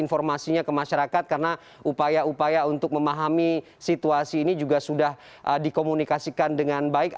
informasinya ke masyarakat karena upaya upaya untuk memahami situasi ini juga sudah dikomunikasikan dengan baik